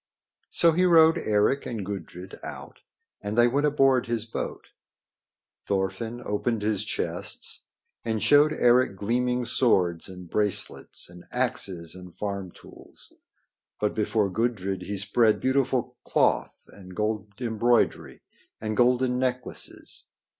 So he rowed Eric and Gudrid out and they went aboard his boat. Thorfinn opened his chests and showed Eric gleaming swords and bracelets and axes and farm tools. But before Gudrid he spread beautiful cloth and gold embroidery and golden necklaces.